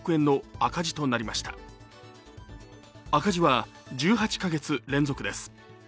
赤字は１８か月連続です。